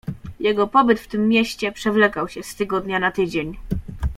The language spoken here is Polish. Jego pobyt w tym mieście przewlekał się z tygodnia na tydzień.